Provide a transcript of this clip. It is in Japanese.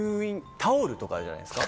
タオルとかじゃないですか？